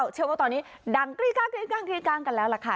๑๕๖๙เชื่อว่าตอนนี้ดังกลีกลางกลีกลางกลีกลางกันแล้วล่ะค่ะ